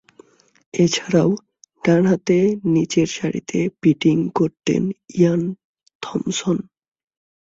এছাড়াও, ডানহাতে নিচেরসারিতে ব্যাটিং করতেন ইয়ান থমসন।